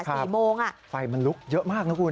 สี่โมงอ่ะไฟมันลุกเยอะมากนะคุณ